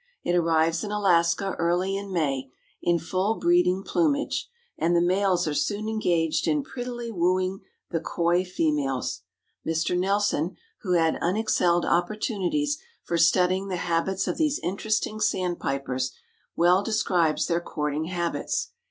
It arrives in Alaska early in May, in full breeding plumage, and the males are soon engaged in prettily wooing the coy females. Mr. Nelson, who had unexcelled opportunities for studying the habits of these interesting sandpipers, well describes their courting habits.